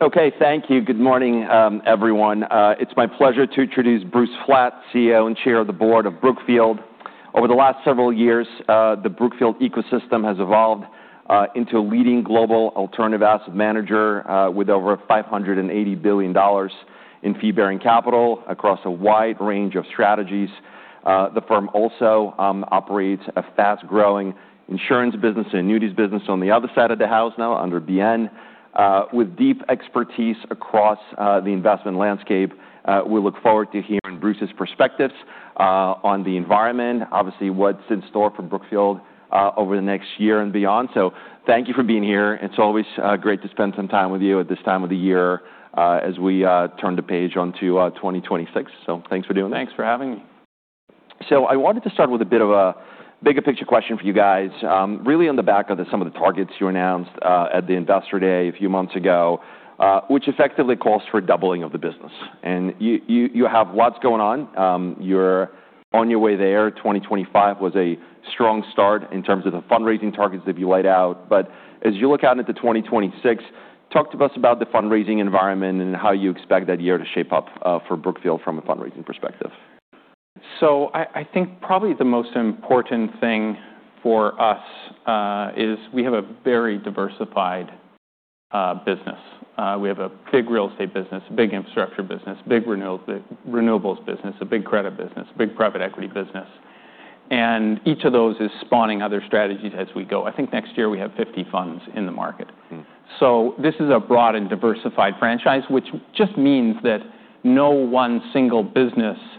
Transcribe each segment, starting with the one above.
Okay, thank you. Good morning, everyone. It's my pleasure to introduce Bruce Flatt, CEO and Chair of the Board of Brookfield. Over the last several years, the Brookfield ecosystem has evolved into a leading global alternative asset manager with over $580 billion in fee-bearing capital across a wide range of strategies. The firm also operates a fast-growing insurance business and annuities business on the other side of the house now under BN, with deep expertise across the investment landscape. We look forward to hearing Bruce's perspectives on the environment, obviously what's in store for Brookfield over the next year and beyond. So thank you for being here. It's always great to spend some time with you at this time of the year as we turn the page onto 2026. So thanks for doing that. Thanks for having me. I wanted to start with a bit of a bigger picture question for you guys, really on the back of some of the targets you announced at the Investor Day a few months ago, which effectively calls for doubling of the business. And you have lots going on. You're on your way there. 2025 was a strong start in terms of the fundraising targets that you laid out. But as you look out into 2026, talk to us about the fundraising environment and how you expect that year to shape up for Brookfield from a fundraising perspective? So I think probably the most important thing for us is we have a very diversified business. We have a big real estate business, a big infrastructure business, a big renewables business, a big credit business, a big private equity business. And each of those is spawning other strategies as we go. I think next year we have 50 funds in the market. So this is a broad and diversified franchise, which just means that no one single business is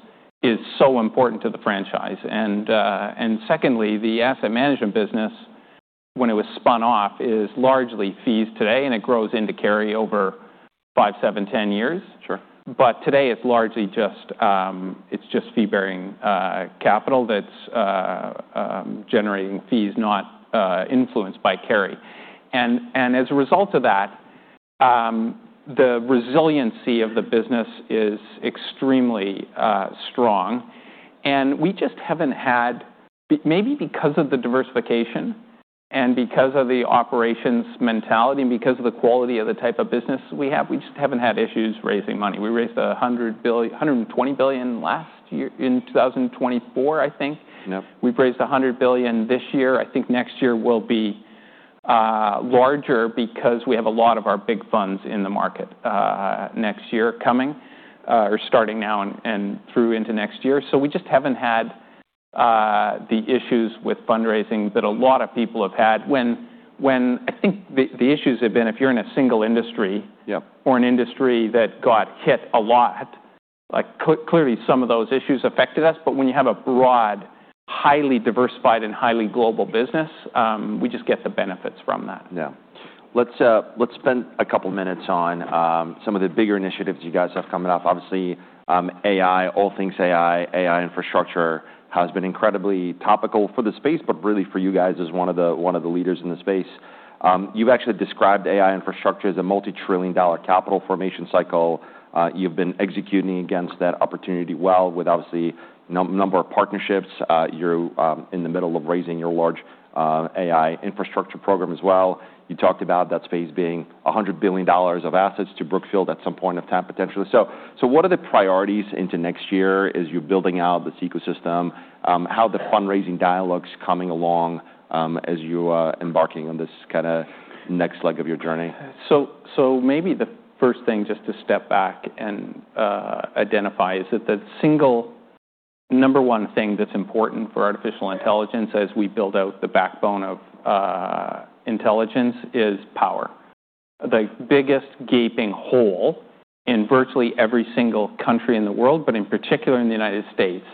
so important to the franchise. And secondly, the asset management business, when it was spun off, is largely fees today, and it grows into carry over five, seven, 10 years. But today it's largely just fee-bearing capital that's generating fees, not influenced by carry. And as a result of that, the resiliency of the business is extremely strong. We just haven't had, maybe because of the diversification and because of the operations mentality and because of the quality of the type of business we have, we just haven't had issues raising money. We raised $120 billion last year in 2024, I think. We've raised $100 billion this year. I think next year will be larger because we have a lot of our big funds in the market next year coming or starting now and through into next year. We just haven't had the issues with fundraising that a lot of people have had. When I think the issues have been if you're in a single industry or an industry that got hit a lot, clearly some of those issues affected us. When you have a broad, highly diversified, and highly global business, we just get the benefits from that. Yeah. Let's spend a couple of minutes on some of the bigger initiatives you guys have coming up. Obviously, AI, all things AI, AI infrastructure has been incredibly topical for the space, but really for you guys as one of the leaders in the space. You've actually described AI infrastructure as a multi-trillion-dollar capital formation cycle. You've been executing against that opportunity well with obviously a number of partnerships. You're in the middle of raising your large AI infrastructure program as well. You talked about that space being $100 billion of assets to Brookfield at some point of time potentially. So what are the priorities into next year as you're building out this ecosystem? How are the fundraising dialogues coming along as you're embarking on this kind of next leg of your journey? So maybe the first thing just to step back and identify is that the single number one thing that's important for artificial intelligence as we build out the backbone of intelligence is power. The biggest gaping hole in virtually every single country in the world, but in particular in the United States,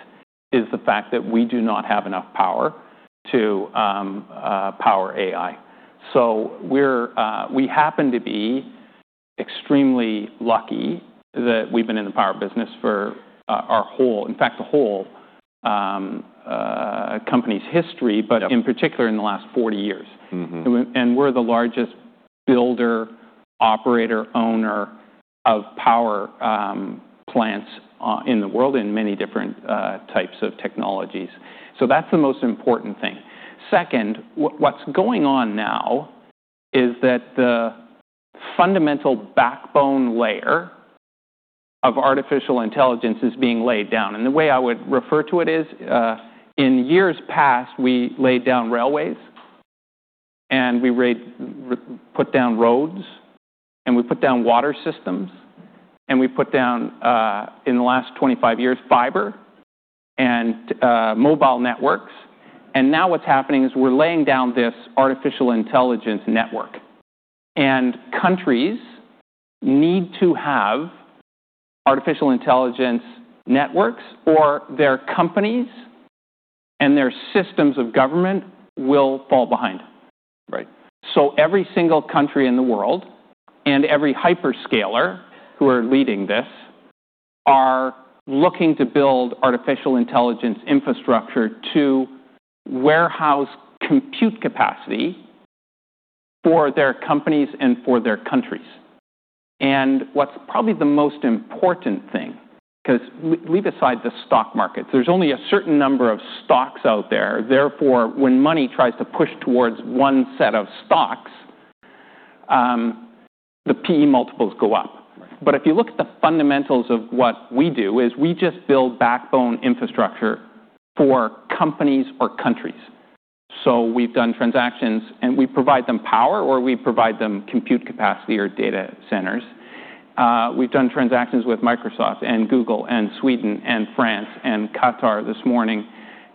is the fact that we do not have enough power to power AI. So we happen to be extremely lucky that we've been in the power business for our whole, in fact, the whole company's history, but in particular in the last 40 years. And we're the largest builder, operator, owner of power plants in the world in many different types of technologies. So that's the most important thing. Second, what's going on now is that the fundamental backbone layer of artificial intelligence is being laid down. And the way I would refer to it is in years past, we laid down railways and we put down roads and we put down water systems and we put down in the last 25 years fiber and mobile networks. And now what's happening is we're laying down this artificial intelligence network. And countries need to have artificial intelligence networks or their companies and their systems of government will fall behind. So every single country in the world and every hyperscaler who are leading this are looking to build artificial intelligence infrastructure to warehouse compute capacity for their companies and for their countries. And what's probably the most important thing, because leave aside the stock markets, there's only a certain number of stocks out there. Therefore, when money tries to push towards one set of stocks, the P/E multiples go up. But if you look at the fundamentals of what we do, it is we just build backbone infrastructure for companies or countries. So we've done transactions, and we provide them power or we provide them compute capacity or data centers. We've done transactions with Microsoft and Google and Sweden and France and Qatar this morning.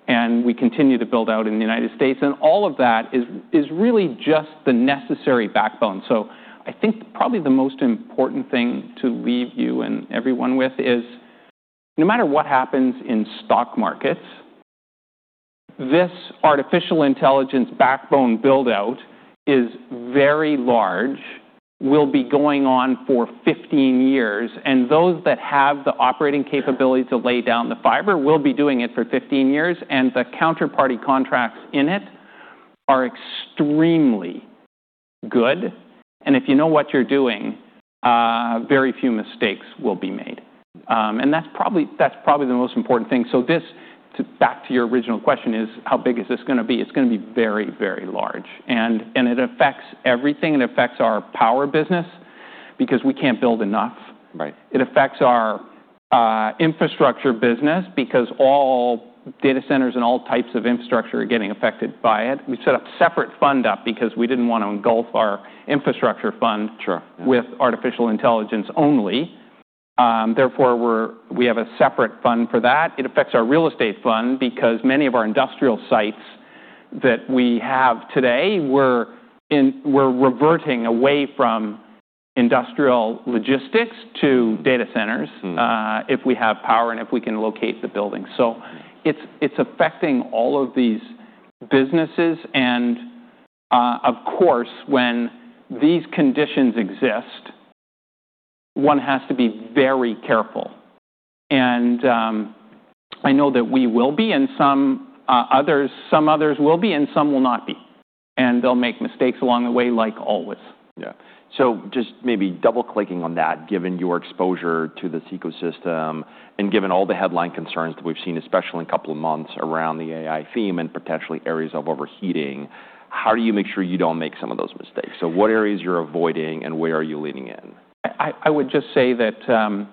And we continue to build out in the United States. And all of that is really just the necessary backbone. So I think probably the most important thing to leave you and everyone with is, no matter what happens in stock markets, this artificial intelligence backbone buildout is very large, will be going on for 15 years. And those that have the operating capability to lay down the fiber will be doing it for 15 years. And the counterparty contracts in it are extremely good. And if you know what you're doing, very few mistakes will be made. And that's probably the most important thing. So this, back to your original question, is how big is this going to be? It's going to be very, very large. And it affects everything. It affects our power business because we can't build enough. It affects our infrastructure business because all data centers and all types of infrastructure are getting affected by it. We set up a separate fund because we didn't want to engulf our infrastructure fund with artificial intelligence only. Therefore, we have a separate fund for that. It affects our real estate fund because many of our industrial sites that we have today, we're reverting away from industrial logistics to data centers if we have power and if we can locate the buildings. So it's affecting all of these businesses. Of course, when these conditions exist, one has to be very careful. I know that we will be and some others will be and some will not be. They'll make mistakes along the way like always. Yeah. So just maybe double-clicking on that, given your exposure to this ecosystem and given all the headline concerns that we've seen, especially in a couple of months around the AI theme and potentially areas of overheating, how do you make sure you don't make some of those mistakes? So what areas you're avoiding and where are you leaning in? I would just say that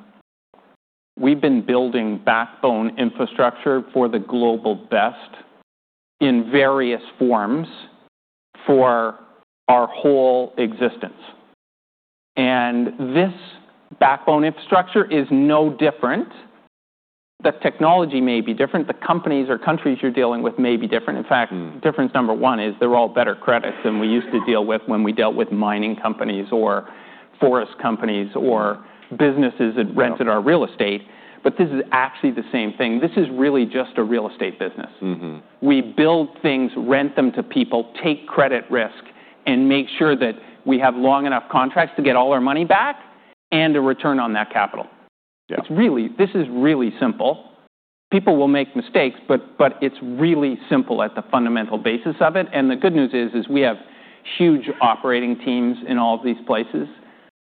we've been building backbone infrastructure for the global best in various forms for our whole existence, and this backbone infrastructure is no different. The technology may be different. The companies or countries you're dealing with may be different. In fact, difference number one is they're all better credits than we used to deal with when we dealt with mining companies or forest companies or businesses that rented our real estate, but this is actually the same thing. This is really just a real estate business. We build things, rent them to people, take credit risk, and make sure that we have long enough contracts to get all our money back and a return on that capital. This is really simple. People will make mistakes, but it's really simple at the fundamental basis of it. The good news is we have huge operating teams in all of these places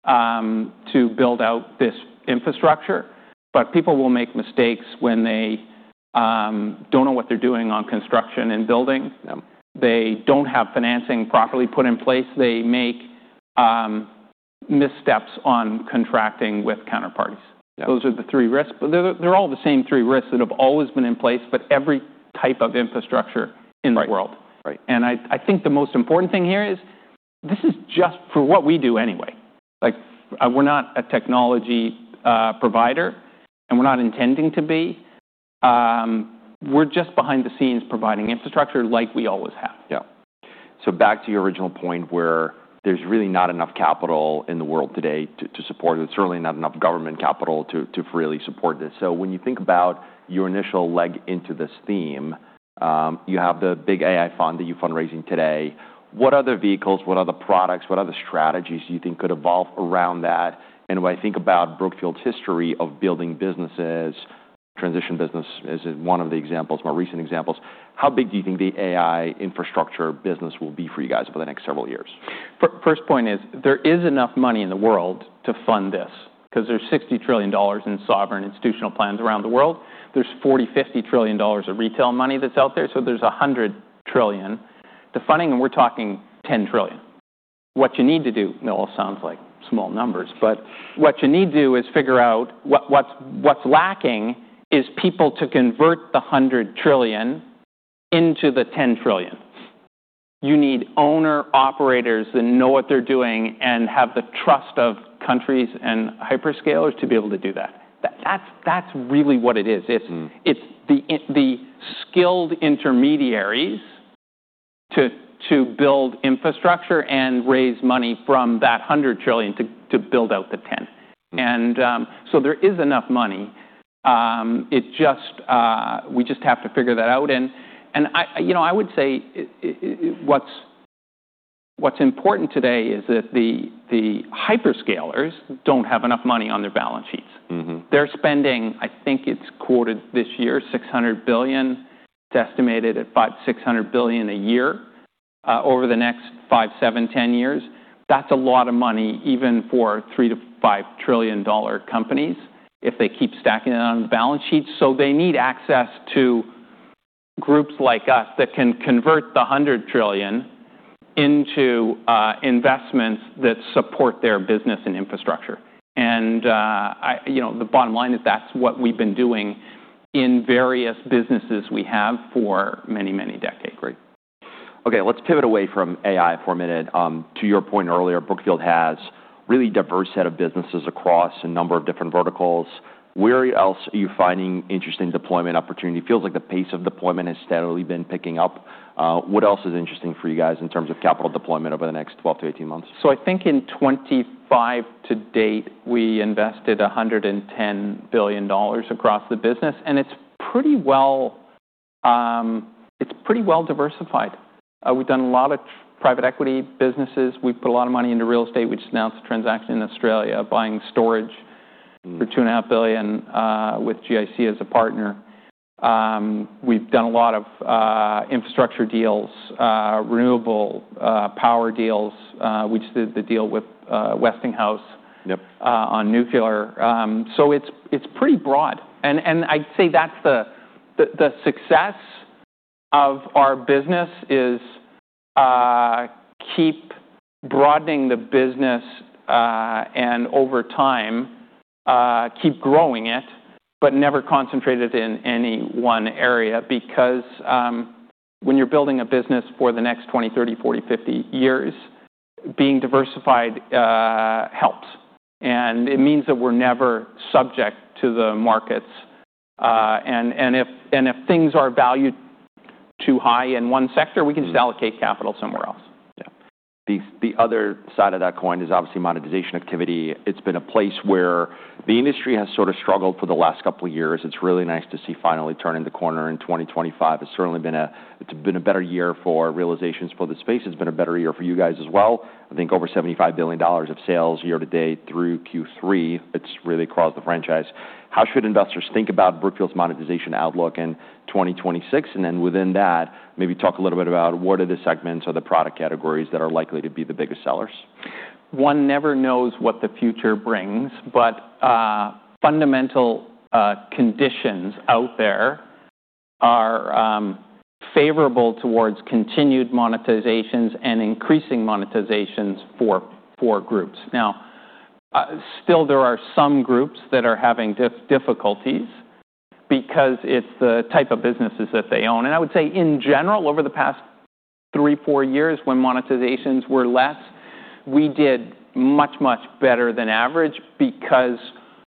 to build out this infrastructure. But people will make mistakes when they don't know what they're doing on construction and building. They don't have financing properly put in place. They make missteps on contracting with counterparties. Those are the three risks. They're all the same three risks that have always been in place, but every type of infrastructure in the world. I think the most important thing here is this is just for what we do anyway. We're not a technology provider and we're not intending to be. We're just behind the scenes providing infrastructure like we always have. Yeah. So back to your original point where there's really not enough capital in the world today to support it, certainly not enough government capital to really support this. So when you think about your initial leg into this theme, you have the big AI fund that you're fundraising today. What other vehicles, what other products, what other strategies do you think could evolve around that? And when I think about Brookfield's history of building businesses, transition business is one of the examples, more recent examples, how big do you think the AI infrastructure business will be for you guys over the next several years? First point is there is enough money in the world to fund this because there's $60 trillion in sovereign institutional plans around the world. There's $40 trillion to $50 trillion of retail money that's out there. So there's $100 trillion to funding. And we're talking $10 trillion. What you need to do, it all sounds like small numbers, but what you need to do is figure out what's lacking is people to convert the $100 trillion into the $10 trillion. You need owner operators that know what they're doing and have the trust of countries and hyperscalers to be able to do that. That's really what it is. It's the skilled intermediaries to build infrastructure and raise money from that $100 trillion to build out the $10. And so there is enough money. We just have to figure that out. I would say what's important today is that the hyperscalers don't have enough money on their balance sheets. They're spending, I think it's quoted this year, $600 billion. It's estimated at $600 billion a year over the next five, seven, ten years. That's a lot of money even for $3 trillion to $5 trillion companies if they keep stacking it on the balance sheets. So they need access to groups like us that can convert the $100 trillion into investments that support their business and infrastructure. The bottom line is that's what we've been doing in various businesses we have for many, many decades. Great. Okay. Let's pivot away from AI for a minute. To your point earlier, Brookfield has a really diverse set of businesses across a number of different verticals. Where else are you finding interesting deployment opportunity? It feels like the pace of deployment has steadily been picking up. What else is interesting for you guys in terms of capital deployment over the next 12 months to 18 months? I think in 2025 to date, we invested $110 billion across the business. And it's pretty well diversified. We've done a lot of private equity businesses. We've put a lot of money into real estate. We just announced a transaction in Australia buying storage for $2.5 billion with GIC as a partner. We've done a lot of infrastructure deals, renewable power deals. We just did the deal with Westinghouse on nuclear. So it's pretty broad. And I'd say that's the success of our business is keep broadening the business and over time keep growing it, but never concentrate it in any one area. Because when you're building a business for the next 20, 30, 40, 50 years, being diversified helps. And it means that we're never subject to the markets. And if things are valued too high in one sector, we can just allocate capital somewhere else. Yeah. The other side of that coin is obviously monetization activity. It's been a place where the industry has sort of struggled for the last couple of years. It's really nice to see finally turning the corner in 2025. It's certainly been a better year for realizations for the space. It's been a better year for you guys as well. I think over $75 billion of sales year to date through Q3. It's really across the franchise. How should investors think about Brookfield's monetization outlook in 2026? And then within that, maybe talk a little bit about what are the segments or the product categories that are likely to be the biggest sellers? One never knows what the future brings, but fundamental conditions out there are favorable towards continued monetizations and increasing monetizations for groups. Now, still there are some groups that are having difficulties because it's the type of businesses that they own, and I would say in general, over the past three, four years when monetizations were less, we did much, much better than average because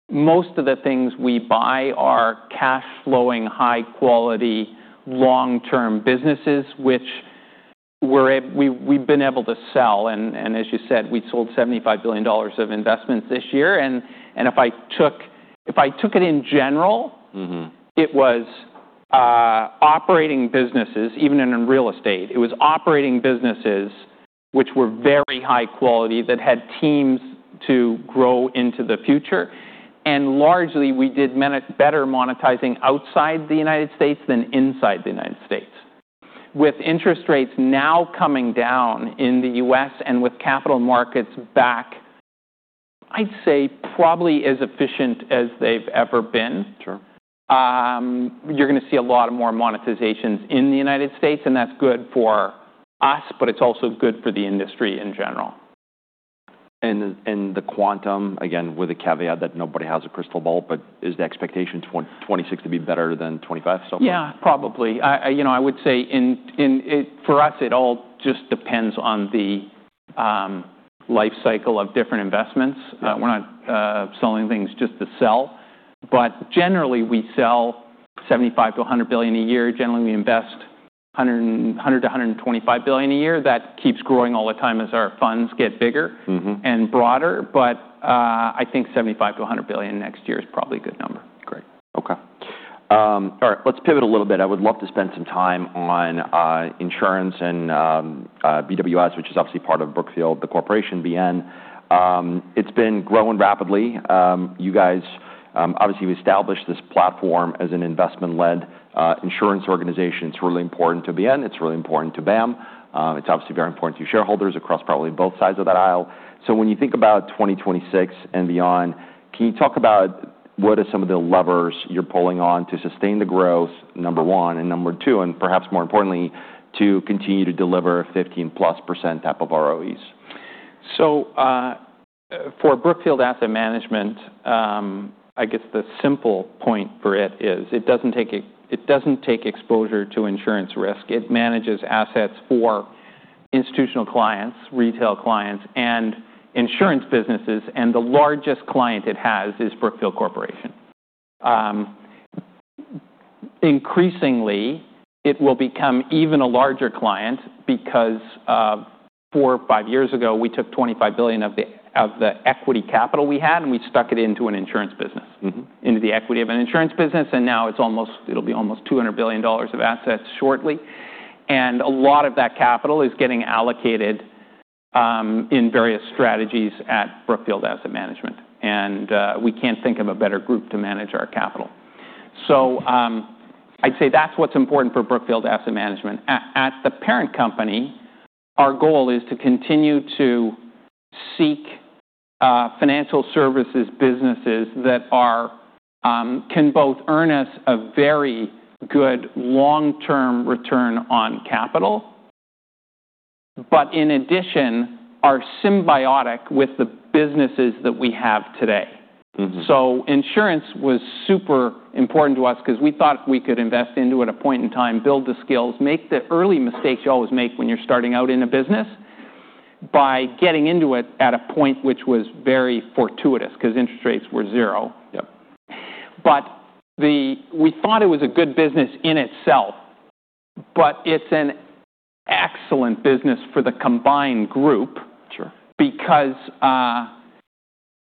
most of the things we buy are cash-flowing, high-quality, long-term businesses, which we've been able to sell, and as you said, we sold $75 billion of investments this year, and if I took it in general, it was operating businesses, even in real estate. It was operating businesses which were very high quality that had teams to grow into the future, and largely, we did better monetizing outside the United States than inside the United States. With interest rates now coming down in the U.S. and with capital markets back, I'd say probably as efficient as they've ever been, you're going to see a lot more monetizations in the United States, and that's good for us, but it's also good for the industry in general. The quantum, again, with the caveat that nobody has a crystal ball, but is the expectation 2026 to be better than 2025 so far? Yeah, probably. I would say for us, it all just depends on the life cycle of different investments. We're not selling things just to sell. But generally, we sell $75 billion to $100 billion a year. Generally, we invest $100 billion to $125 billion a year. That keeps growing all the time as our funds get bigger and broader. But I think $75 billion to $100 billion next year is probably a good number. Great. Okay. All right. Let's pivot a little bit. I would love to spend some time on insurance and BWS, which is obviously part of Brookfield, the corporation, BN. It's been growing rapidly. You guys obviously established this platform as an investment-led insurance organization. It's really important to BN. It's really important to BAM. It's obviously very important to shareholders across probably both sides of that aisle. So when you think about 2026 and beyond, can you talk about what are some of the levers you're pulling on to sustain the growth, number one, and number two, and perhaps more importantly, to continue to deliver 15% plus type of ROEs? So for Brookfield Asset Management, I guess the simple point for it is it doesn't take exposure to insurance risk. It manages assets for institutional clients, retail clients, and insurance businesses. And the largest client it has is Brookfield Corporation. Increasingly, it will become even a larger client because four, five years ago, we took $25 billion of the equity capital we had and we stuck it into an insurance business, into the equity of an insurance business. And now it'll be almost $200 billion of assets shortly. And a lot of that capital is getting allocated in various strategies at Brookfield Asset Management. And we can't think of a better group to manage our capital. So I'd say that's what's important for Brookfield Asset Management. At the parent company, our goal is to continue to seek financial services businesses that can both earn us a very good long-term return on capital, but in addition, are symbiotic with the businesses that we have today. So insurance was super important to us because we thought we could invest into it at a point in time, build the skills, make the early mistakes you always make when you're starting out in a business by getting into it at a point which was very fortuitous because interest rates were zero. But we thought it was a good business in itself, but it's an excellent business for the combined group because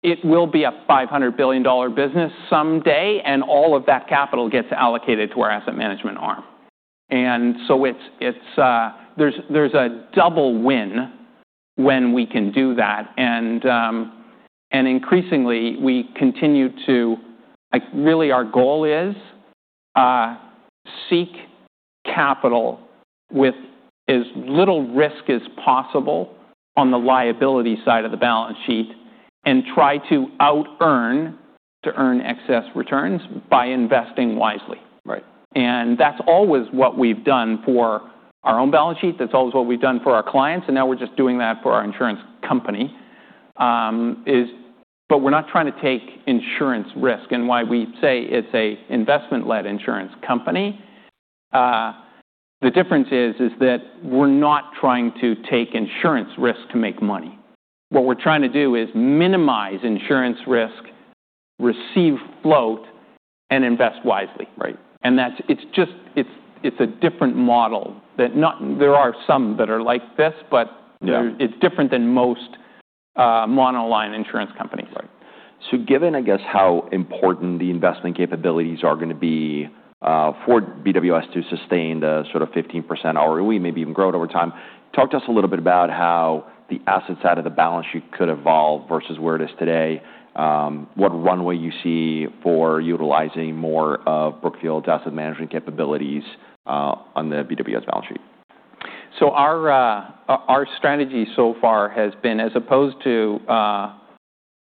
it will be a $500 billion business someday and all of that capital gets allocated to our asset management arm. And so there's a double win when we can do that. Increasingly, we continue to really, our goal is to seek capital with as little risk as possible on the liability side of the balance sheet and try to out-earn, to earn excess returns by investing wisely. That's always what we've done for our own balance sheet. That's always what we've done for our clients. Now we're just doing that for our insurance company. We're not trying to take insurance risk. Why we say it's an investment-led insurance company, the difference is that we're not trying to take insurance risk to make money. What we're trying to do is minimize insurance risk, receive float, and invest wisely. It's a different model. There are some that are like this, but it's different than most monoline insurance companies. Right. So given, I guess, how important the investment capabilities are going to be for BWS to sustain the sort of 15% ROE, maybe even grow it over time, talk to us a little bit about how the asset side of the balance sheet could evolve versus where it is today, what runway you see for utilizing more of Brookfield's asset management capabilities on the BWS balance sheet? So our strategy so far has been, as opposed to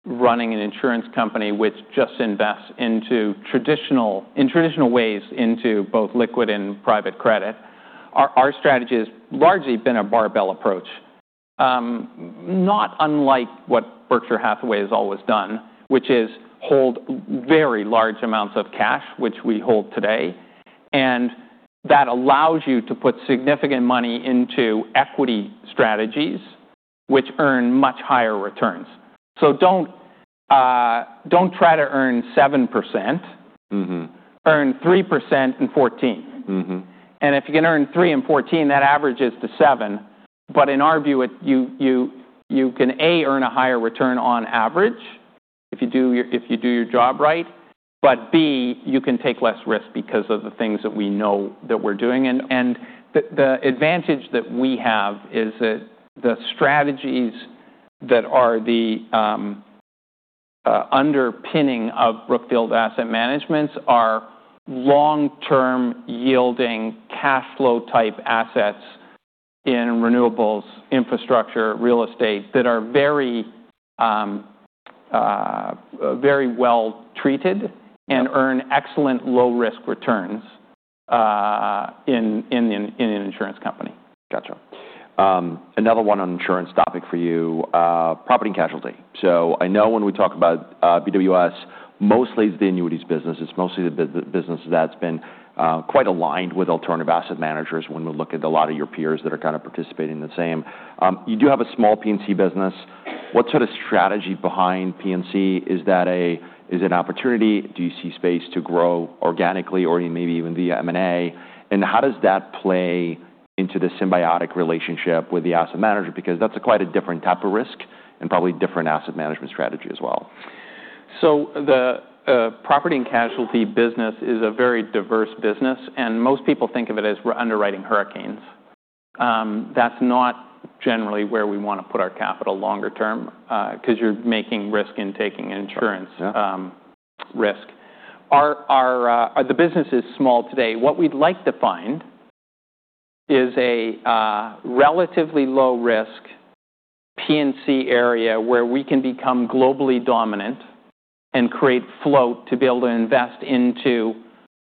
running an insurance company which just invests in traditional ways into both liquid and private credit, our strategy has largely been a barbell approach, not unlike what Berkshire Hathaway has always done, which is hold very large amounts of cash, which we hold today. And that allows you to put significant money into equity strategies which earn much higher returns. So don't try to earn 7%. Earn 3% and 14%. And if you can earn 3% and 14%, that averages to 7%. But in our view, you can A, earn a higher return on average if you do your job right, but B, you can take less risk because of the things that we know that we're doing. The advantage that we have is that the strategies that are the underpinning of Brookfield Asset Management are long-term yielding cash flow type assets in renewables, infrastructure, real estate that are very well treated and earn excellent low-risk returns in an insurance company. Gotcha. Another one on insurance topic for you, property and casualty. So I know when we talk about BWS, mostly it's the annuities business. It's mostly the business that's been quite aligned with alternative asset managers when we look at a lot of your peers that are kind of participating in the same. You do have a small P&C business. What sort of strategy behind P&C? Is that an opportunity? Do you see space to grow organically or maybe even via M&A? And how does that play into the symbiotic relationship with the asset manager? Because that's quite a different type of risk and probably different asset management strategy as well. The property and casualty business is a very diverse business. Most people think of it as we're underwriting hurricanes. That's not generally where we want to put our capital longer term because you're making risk in taking insurance risk. The business is small today. What we'd like to find is a relatively low-risk P&C area where we can become globally dominant and create float to be able to invest into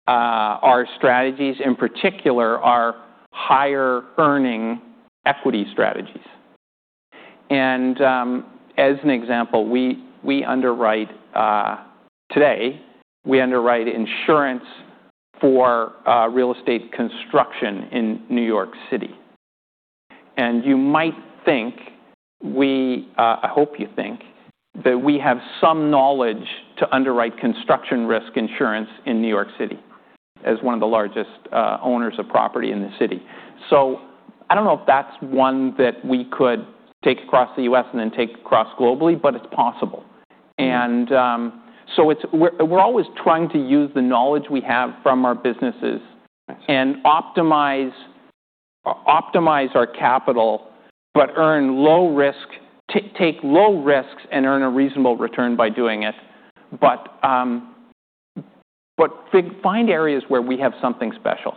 our strategies, in particular our higher earning equity strategies. As an example, today, we underwrite insurance for real estate construction in New York City. You might think, I hope you think, that we have some knowledge to underwrite construction risk insurance in New York City as one of the largest owners of property in the city. So I don't know if that's one that we could take across the U.S. and then take across globally, but it's possible. And so we're always trying to use the knowledge we have from our businesses and optimize our capital, but take low risks and earn a reasonable return by doing it, but find areas where we have something special.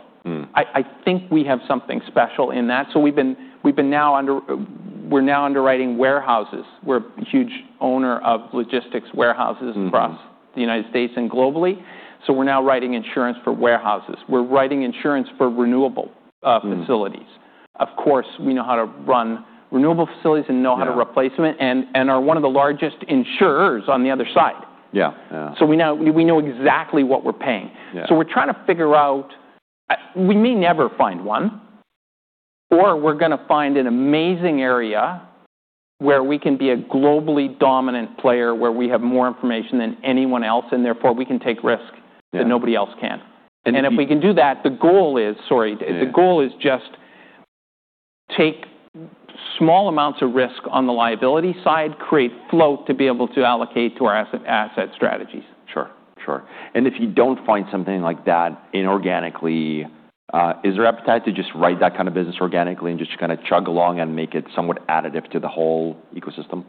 I think we have something special in that. So we've been now underwriting warehouses. We're a huge owner of logistics warehouses across the United States and globally. So we're now writing insurance for warehouses. We're writing insurance for renewable facilities. Of course, we know how to run renewable facilities and know how to replace them and are one of the largest insurers on the other side. So we know exactly what we're paying. We're trying to figure out we may never find one, or we're going to find an amazing area where we can be a globally dominant player where we have more information than anyone else, and therefore we can take risk that nobody else can. If we can do that, the goal is, sorry, the goal is just take small amounts of risk on the liability side, create float to be able to allocate to our asset strategies. Sure. Sure. And if you don't find something like that inorganically, is there appetite to just write that kind of business organically and just kind of chug along and make it somewhat additive to the whole ecosystem?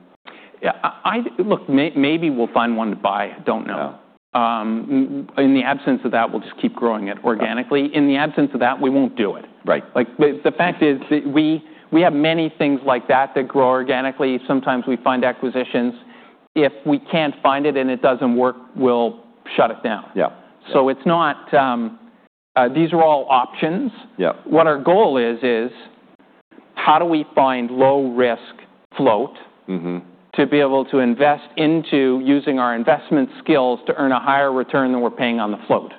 Look, maybe we'll find one to buy. I don't know. In the absence of that, we'll just keep growing it organically. In the absence of that, we won't do it. The fact is that we have many things like that that grow organically. Sometimes we find acquisitions. If we can't find it and it doesn't work, we'll shut it down. So these are all options. What our goal is, is how do we find low-risk float to be able to invest into using our investment skills to earn a higher return than we're paying on the float?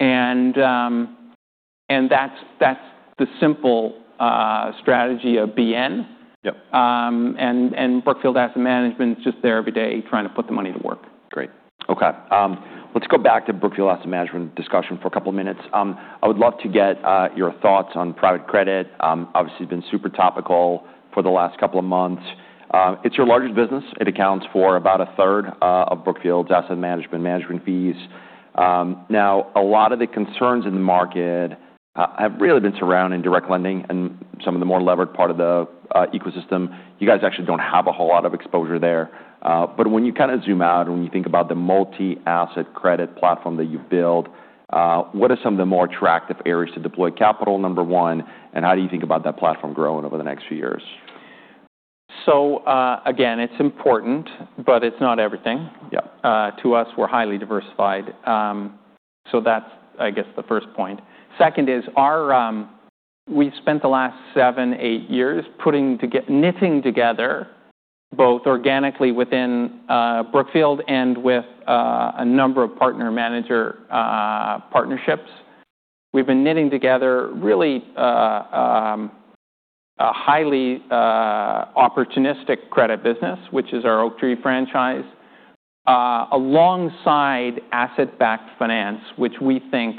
And that's the simple strategy of BN. And Brookfield Asset Management is just there every day trying to put the money to work. Great. Okay. Let's go back to Brookfield Asset Management discussion for a couple of minutes. I would love to get your thoughts on private credit. Obviously, it's been super topical for the last couple of months. It's your largest business. It accounts for about a third of Brookfield's asset management fees. Now, a lot of the concerns in the market have really been surrounding direct lending and some of the more levered part of the ecosystem. You guys actually don't have a whole lot of exposure there, but when you kind of zoom out and when you think about the multi-asset credit platform that you've built, what are some of the more attractive areas to deploy capital, number one, and how do you think about that platform growing over the next few years? So again, it's important, but it's not everything. To us, we're highly diversified. So that's, I guess, the first point. Second is we spent the last seven, eight years knitting together both organically within Brookfield and with a number of partner manager partnerships. We've been knitting together really a highly opportunistic credit business, which is our Oaktree franchise, alongside asset-backed finance, which we think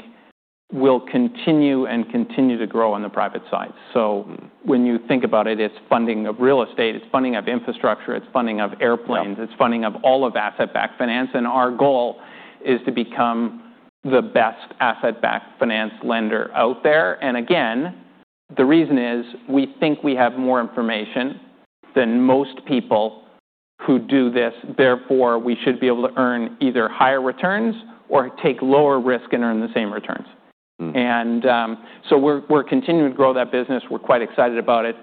will continue and continue to grow on the private side. So when you think about it, it's funding of real estate. It's funding of infrastructure. It's funding of airplanes. It's funding of all of asset-backed finance. And our goal is to become the best asset-backed finance lender out there. And again, the reason is we think we have more information than most people who do this. Therefore, we should be able to earn either higher returns or take lower risk and earn the same returns. So we're continuing to grow that business. We're quite excited about it.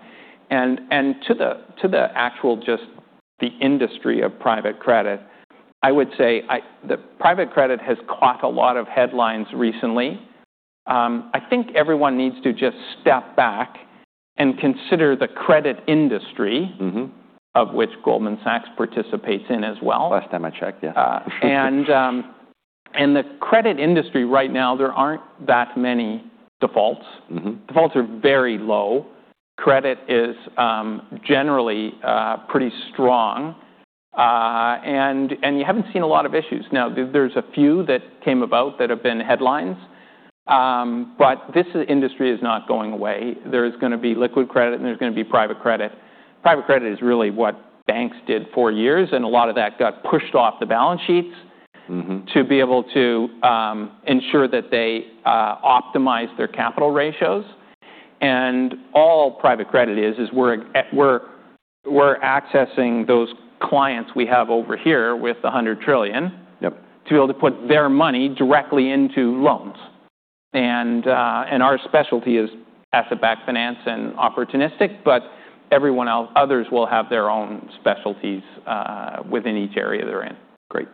To the actual just the industry of private credit, I would say the private credit has caught a lot of headlines recently. I think everyone needs to just step back and consider the credit industry of which Goldman Sachs participates in as well. Last time I checked, yeah. The credit industry right now, there aren't that many defaults. Defaults are very low. Credit is generally pretty strong. You haven't seen a lot of issues. Now, there's a few that came about that have been headlines, but this industry is not going away. There is going to be liquid credit and there's going to be private credit. Private credit is really what banks did for years, and a lot of that got pushed off the balance sheets to be able to ensure that they optimize their capital ratios. All private credit is, is we're accessing those clients we have over here with 100 trillion to be able to put their money directly into loans. Our specialty is asset-backed finance and opportunistic, but others will have their own specialties within each area they're in. Great.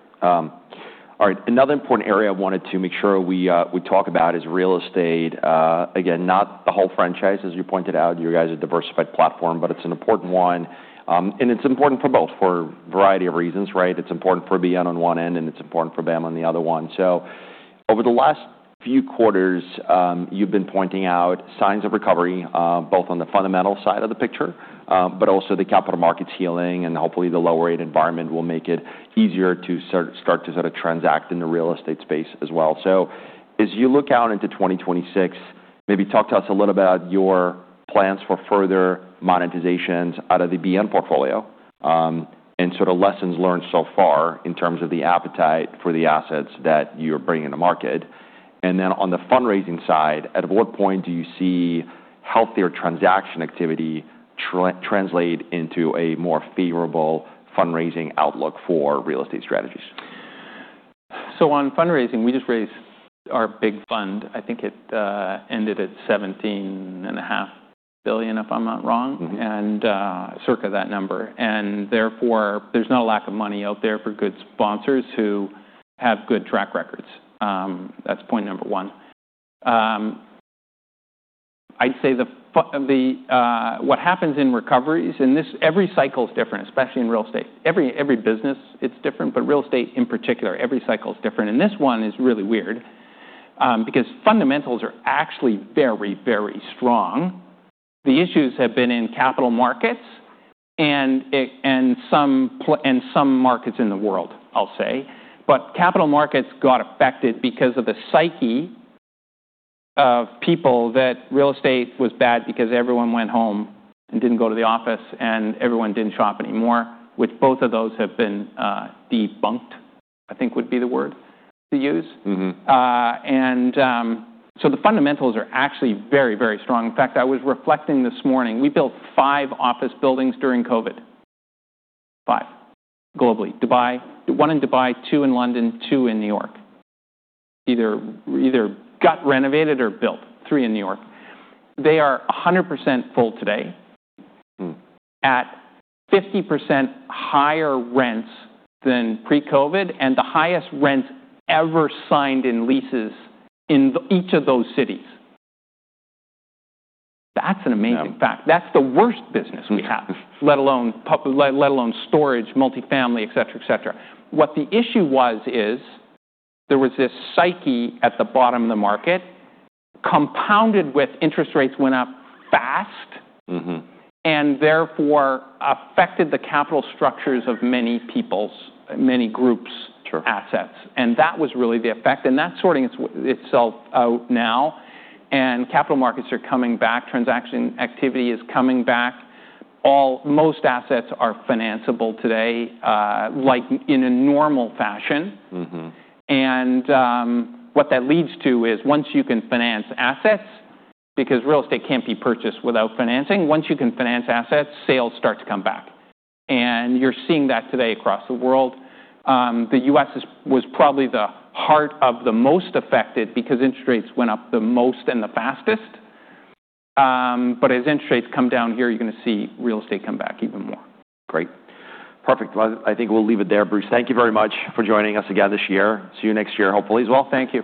All right. Another important area I wanted to make sure we talk about is real estate. Again, not the whole franchise, as you pointed out. You guys are a diversified platform, but it's an important one, and it's important for both for a variety of reasons, right? It's important for BN on one end and it's important for BAM on the other one, so over the last few quarters, you've been pointing out signs of recovery both on the fundamental side of the picture, but also the capital markets healing, and hopefully the lower rate environment will make it easier to start to sort of transact in the real estate space as well. So as you look out into 2026, maybe talk to us a little about your plans for further monetizations out of the BN portfolio and sort of lessons learned so far in terms of the appetite for the assets that you're bringing to market. And then on the fundraising side, at what point do you see healthier transaction activity translate into a more favorable fundraising outlook for real estate strategies? On fundraising, we just raised our big fund. I think it ended at $17.5 billion, if I'm not wrong, and circa that number. Therefore, there's not a lack of money out there for good sponsors who have good track records. That's point number one. I'd say what happens in recoveries, and every cycle is different, especially in real estate. Every business, it's different, but real estate in particular, every cycle is different. This one is really weird because fundamentals are actually very, very strong. The issues have been in capital markets and some markets in the world, I'll say. Capital markets got affected because of the psyche of people that real estate was bad because everyone went home and didn't go to the office and everyone didn't shop anymore, which both of those have been debunked, I think would be the word to use. And so the fundamentals are actually very, very strong. In fact, I was reflecting this morning. We built five office buildings during COVID. Five, globally. One in Dubai, two in London, two in New York. Either got renovated or built. Three in New York. They are 100% full today at 50% higher rents than pre-COVID and the highest rents ever signed in leases in each of those cities. That's an amazing fact. That's the worst business we have, let alone storage, multifamily, etc., etc. What the issue was is there was this psyche at the bottom of the market compounded with interest rates went up fast and therefore affected the capital structures of many people's, many groups' assets. And that was really the effect. And that's sorting itself out now. And capital markets are coming back. Transaction activity is coming back. Most assets are financeable today in a normal fashion. And what that leads to is once you can finance assets, because real estate can't be purchased without financing, once you can finance assets, sales start to come back. And you're seeing that today across the world. The U.S. was probably the heart of the most affected because interest rates went up the most and the fastest. But as interest rates come down here, you're going to see real estate come back even more. Great. Perfect. Well, I think we'll leave it there, Bruce. Thank you very much for joining us again this year. See you next year, hopefully, as well. Thank you.